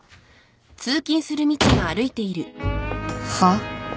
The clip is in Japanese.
はっ？